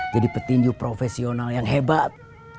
jadi petinju profesional yang hebat